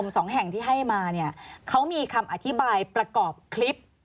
สองแห่งที่ให้มาเนี่ยเขามีคำอธิบายประกอบคลิป